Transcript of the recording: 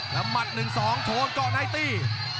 แล้วมัดหนึ่งสองโทนก่อนไอ้ตี